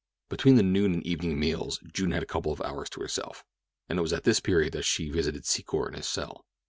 Between the noon and evening meals June had a couple of hours to herself, and it was at this period that she visited Secor in his cell.